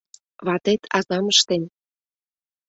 — Ватет азам ыштен.